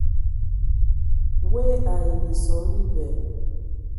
Woe ai minson bibɛ.